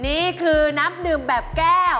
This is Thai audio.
นี่คือน้ำดื่มแบบแก้ว